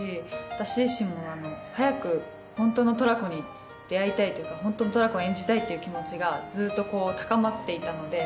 私自身も早くホントのトラコに出会いたいというかホントのトラコを演じたいという気持ちがずっと高まっていたので。